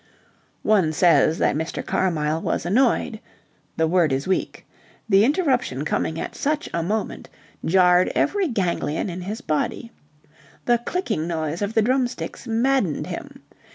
One says that Mr. Carmyle was annoyed. The word is weak. The interruption coming at such a moment jarred every ganglion in his body. The clicking noise of the drumsticks maddened him.